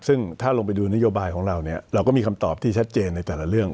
ซึ่งถ้าลงไปดูนโยบายของเราเนี่ยเราก็มีคำตอบที่ชัดเจนในแต่ละเรื่อง